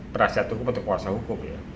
perasaan terhadap orang lain